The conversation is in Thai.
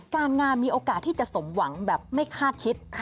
การงานมีโอกาสที่จะสมหวังแบบไม่คาดคิด